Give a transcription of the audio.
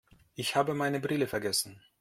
Ich habe meine Brille vergessen.